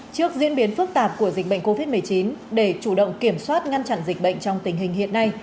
trước diễn biến phức tạp của dịch bệnh covid một mươi chín để chủ động kiểm soát ngăn chặn dịch bệnh trong tình hình hiện nay